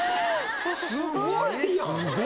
すごいやん！